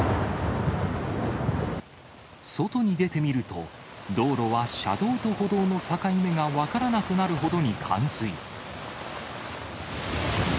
外に出てみると、道路は車道と歩道の境目が分からなくなるほどに冠水。